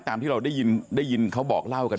ตามที่เราได้ยินเขาบอกเล่ากันนะ